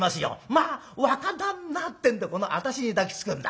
『まあ若旦那』ってんでこの私に抱きつくんだ。